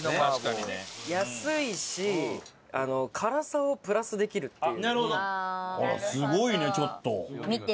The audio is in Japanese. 安いし辛さをプラスできるっていう。